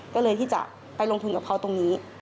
ก็เลยที่จะไปลงทุนกับเขาตรงนี้